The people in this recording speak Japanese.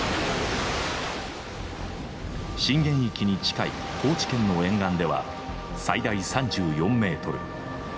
震源域に近い高知県の沿岸では最大３４ｍ。